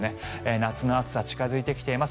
夏の暑さ、近付いてきています。